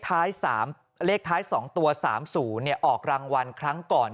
ท้ายสามเลขท้ายสองตัวสามศูนย์เนี่ยออกรางวัลครั้งก่อน